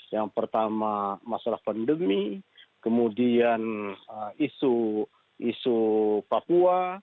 yang pertama masalah pandemi kemudian isu papua